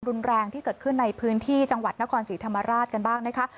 รุนแรงที่เกิดขึ้นในพื้นที่จังหวัดนครศรีธรรมราชกันบ้างนะคะ